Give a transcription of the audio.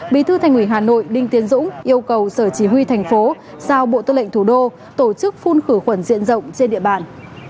bí thư thành ủy hà nội đinh tiến dũng yêu cầu sở chỉ huy thành phố giao bộ tư lệnh thủ đô tổ chức phun khử khuẩn diện rộng trên địa bàn